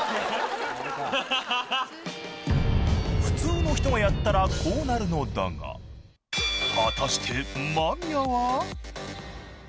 ［普通の人がやったらこうなるのだが果たして間宮は］